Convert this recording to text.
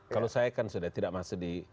kalau saya kan sudah tidak masuk di